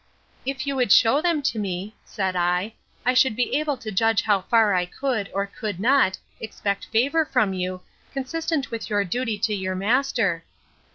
If you would shew them to me, said I, I should be able to judge how far I could, or could not, expect favour from you, consistent with your duty to our master.